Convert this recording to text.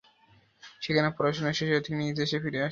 সেখানে পড়াশোনা শেষ হলে তিনি নিজ দেশে ফিরে আসেন।